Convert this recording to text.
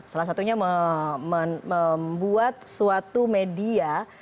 salah satunya membuat suatu media